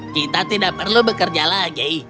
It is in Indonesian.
kita tidak perlu bekerja lagi